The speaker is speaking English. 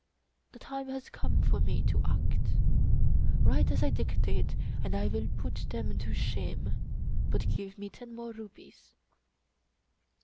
The time has come for me to act. Write as I dictate, and I will put them to shame. But give me ten more rupees."